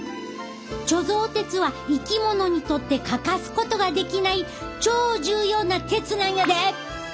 貯蔵鉄は生き物にとって欠かすことができない超重要な鉄なんやで！